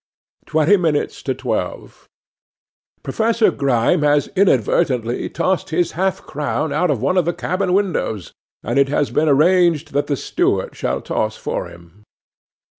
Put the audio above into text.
'Twenty minutes to twelve. 'PROFESSOR Grime has inadvertently tossed his half crown out of one of the cabin windows, and it has been arranged that the steward shall toss for him.